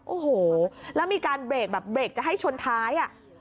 โอ้โหแล้วมีการเบรกแบบเบรกจะให้ชนท้ายอ่ะ